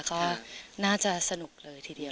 ก็น่าจะสนุกเลยทีเดียว